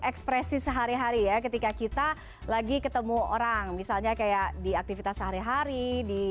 ekspresi sehari hari ya ketika kita lagi ketemu orang misalnya kayak di aktivitas sehari hari di